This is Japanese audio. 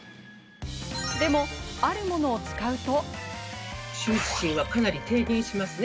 でも、あるものを使うと。